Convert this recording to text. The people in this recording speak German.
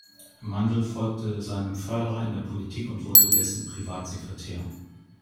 Mandel folgte seinem Förderer in die Politik und wurde dessen Privatsekretär.